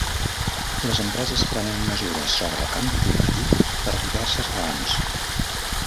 Les empreses prenen mesures sobre el canvi climàtic per diverses raons.